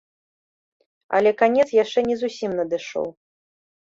Але канец яшчэ не зусім надышоў.